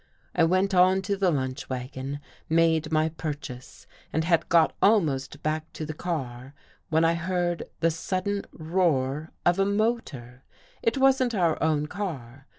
I went on to the lunch wagon, made my pur chase, and had got almost back to the car, when I heard the sudden roar of a motor. It wasn't our own car.